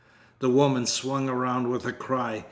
The woman swung around with a cry.